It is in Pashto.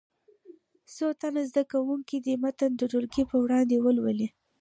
څو تنه زده کوونکي دې متن د ټولګي په وړاندې ولولي.